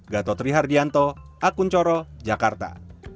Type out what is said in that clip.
gatotri hardianto akun coro jakarta